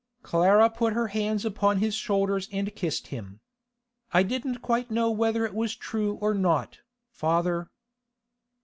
Clara put her hands upon his shoulders and kissed him. 'I didn't quite know whether it was true or not, father.